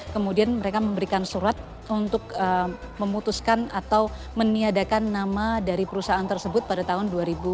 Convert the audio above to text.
kemudian mereka memberikan surat untuk memutuskan atau meniadakan nama dari perusahaan tersebut pada tahun dua ribu dua puluh